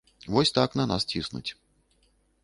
Вось так на нас ціснуць.